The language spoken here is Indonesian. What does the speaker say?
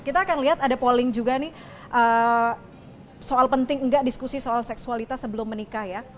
kita akan lihat ada polling juga nih soal penting nggak diskusi soal seksualitas sebelum menikah ya